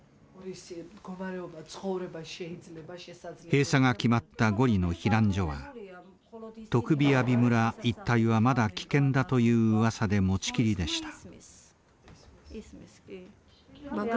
閉鎖が決まったゴリの避難所はトクビアビ村一帯はまだ危険だといううわさで持ちきりでした。